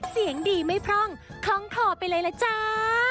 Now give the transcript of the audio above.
เสียงดีไม่พร่องคล่องคอไปเลยล่ะจ้า